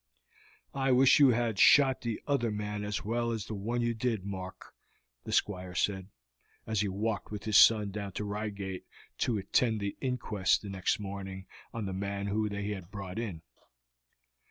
"I wish you had shot the other man as well as the one you did, Mark," the Squire said, as he walked with his son down to Reigate to attend the inquest the next morning on the man he had brought in.